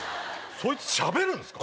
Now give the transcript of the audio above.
そいつしゃべるんすか？